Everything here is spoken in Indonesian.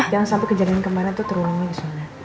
jangan sampai kejadian kemarin tuh terulung aja soalnya